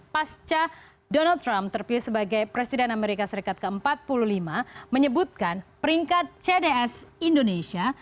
pasca donald trump terpilih sebagai presiden amerika serikat ke empat puluh lima menyebutkan peringkat cds indonesia